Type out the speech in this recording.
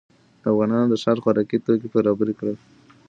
افغانانو د ښار خوراکي توکي برابر کړل.